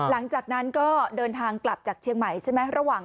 ตุนตุนตุนตุนตุนตุนตุน